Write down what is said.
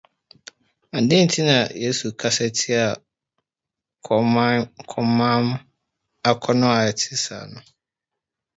Dɛn nti na Yesu kasa tiaa komam akɔnnɔ a ɛte saa no?